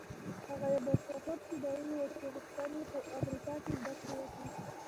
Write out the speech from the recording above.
هغه يو مشهور چينايي و چې غوښتل يې په امريکا کې زدهکړې وکړي.